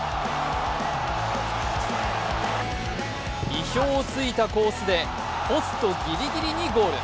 意表を突いたコースでポストぎりぎりにゴール